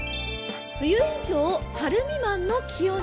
冬以上、春未満の気温に。